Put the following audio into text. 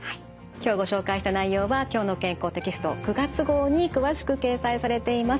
今日ご紹介した内容は「きょうの健康」テキスト９月号に詳しく掲載されています。